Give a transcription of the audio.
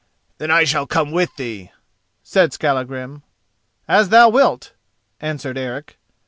"Then I shall come with thee," said Skallagrim. "As thou wilt," answered Eric.